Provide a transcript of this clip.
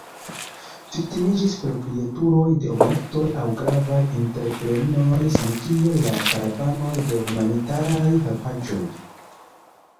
Viktimiĝis proprietuloj de objektoj aŭ gravaj entreprenoj samkiel la karavanoj de humanitaraj helpaĵoj.